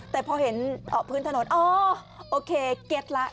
แต่พอเห็นพื้นถนนอ๋อโอเคเก็ตแล้ว